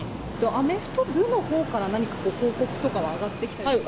アメフト部のほうから、何か報告とかは上がってきたりとかは？